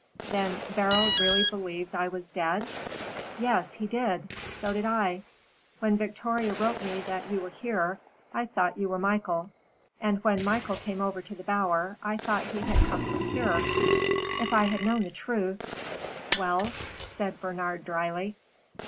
"Then Beryl really believed I was dead?" "Yes, he did so did I. When Victoria wrote me that you were here, I thought you were Michael. And when Michael came over to the Bower, I thought he had come from here. If I had known the truth " "Well?" said Bernard, dryly.